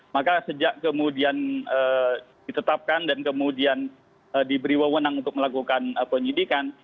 maka sejak kemudian ditetapkan dan kemudian diberi wawonan untuk melakukan penyidikan